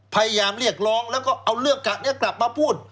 พยายามเรียกร้องแล้วก็เอาเรื่องกะนี้กลับมาพูด